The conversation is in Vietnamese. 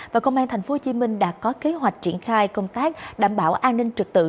và công an tp hcm đã có kế hoạch triển khai công tác đảm bảo an ninh trực tự